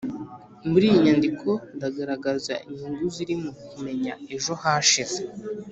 muri iyi nyandiko ndagaragaza inyungu ziri mu kumenya ejo hashize,